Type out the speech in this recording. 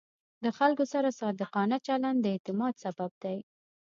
د خلکو سره صادقانه چلند د اعتماد سبب دی.